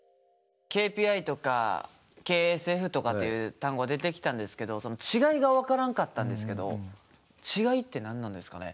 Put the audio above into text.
ＫＰＩとかＫＳＦとかっていう単語出てきたんですけどその違いが分からんかったんですけど違いって何なんですかね？